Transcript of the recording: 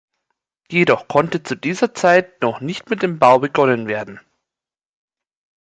Jedoch konnte zu dieser Zeit noch nicht mit dem Bau begonnen werden.